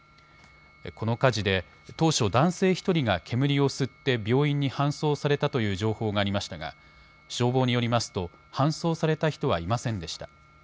この火事で当初、男性１人が煙を吸って病院に搬送されたという情報がありましたが消防によりますと搬送された人はいませんでした。